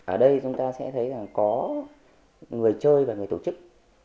ở đây chúng ta sẽ thấy rằng có người chơi và người tổ chức